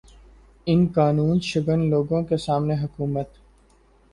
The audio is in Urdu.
ان قانوں شکن لوگوں کے سامنے حکومت